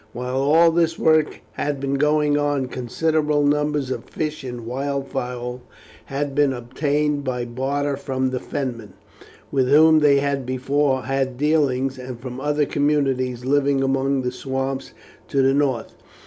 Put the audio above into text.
While all this work had been going on considerable numbers of fish and wildfowl had been obtained by barter from the Fenmen, with whom they had before had dealings, and from other communities living among the swamps to the north.